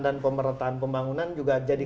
dan pemerintahan pembangunan juga jadi